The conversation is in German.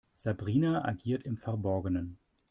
Sabrina agiert im Verborgenen.